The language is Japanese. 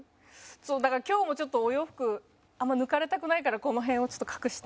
だから今日もちょっとお洋服あんま抜かれたくないからこの辺をちょっと隠して。